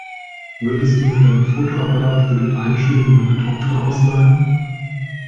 Würdest du mir deinen Fotoapparat für die Einschulung meiner Tochter ausleihen?